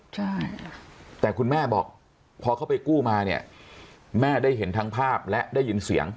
ใช่แต่คุณแม่บอกพอเขาไปกู้มาเนี่ยแม่ได้เห็นทั้งภาพและได้ยินเสียง